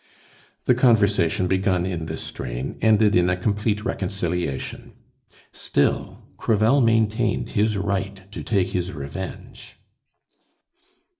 The conversation, begun in this strain, ended in a complete reconciliation; still Crevel maintained his right to take his revenge.